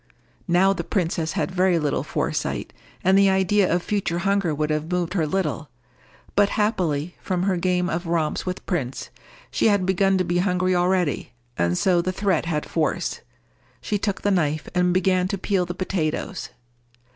Now the princess had very little foresight, and the idea of future hunger would have moved her little; but happily, from her game of romps with Prince, she had begun to be hungry already, and so the threat had force. She took the knife and began to peel the potatoes.